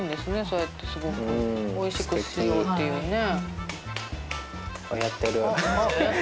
そうやってすごくおいしくしようっていうね。